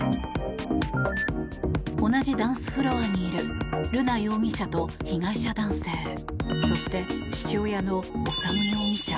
同じダンスフロアにいる瑠奈容疑者と被害者男性そして父親の修容疑者。